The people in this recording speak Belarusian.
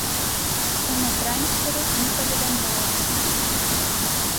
Сума трансферу не паведамляецца.